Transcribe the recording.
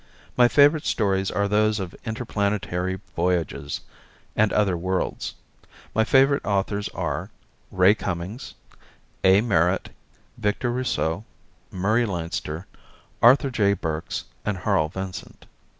My favorite stories are those of interplanetary voyages and other worlds. My favorite authors are: Ray Cummings, A. Merritt, Victor Rousseau, Murray Leinster, Arthur J. Burks and Harl Vincent.